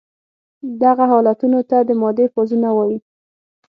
دغه حالتونو ته د مادې فازونه وايي.